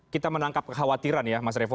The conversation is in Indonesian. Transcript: kita menangkap kekhawatiran ya mas revo